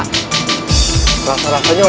cuma dengan mampu re goods